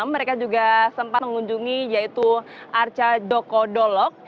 mereka juga sempat mengunjungi yaitu arca dokodolok